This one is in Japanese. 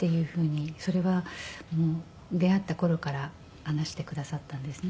それは出会った頃から話してくださったんですね。